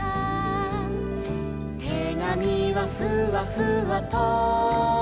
「てがみはふわふわと」